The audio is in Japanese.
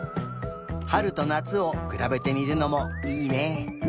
はるとなつをくらべてみるのもいいね。